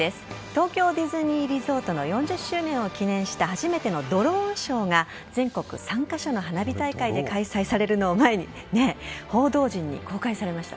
東京ディズニーリゾートの４０周年を記念した初めてのドローンショーが全国３カ所の花火大会で開催されるのを前に報道陣に公開されました。